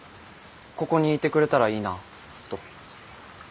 ここにいてくれたらいいなと。